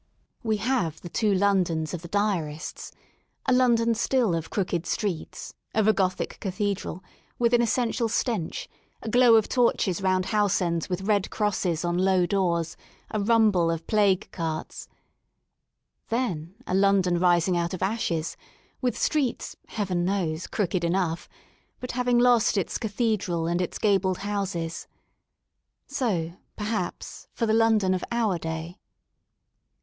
We have the two L on dons of the diarists—^ London still of crooked streets, of a Gothic cathedral, with an essential stench, a glow of torches round house ends with red crosses on low doorsj a rumble of plague carts. Then a London rising out of ashes, with streets, heaven knows, crooked enough, but having lost its cathedral and its gabled houses. So, perhaps, for the London of our day.